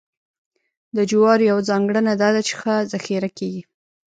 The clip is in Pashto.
د جوارو یوه ځانګړنه دا ده چې ښه ذخیره کېږي.